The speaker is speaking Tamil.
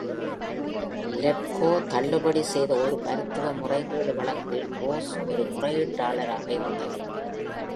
லெஃப்கோ தள்ளுபடி செய்த ஒரு மருத்துவ முறைகேடு வழக்கில் ரோஸ் ஒரு முறையீட்டாளராக இருந்தார்.